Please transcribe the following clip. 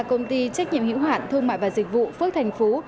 công ty trách nhiệm hiệu hoạn thương mại và dịch vụ phước thành phú